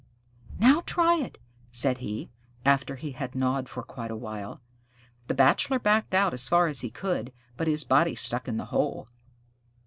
"Now try it," said he, after he had gnawed for quite a while. The Bachelor backed out as far as he could, but his body stuck in the hole.